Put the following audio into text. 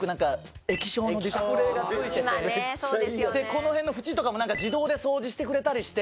この辺の縁とかも自動で掃除してくれたりして。